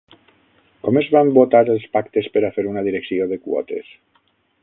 Com es van votar els pactes per a fer una direcció de quotes?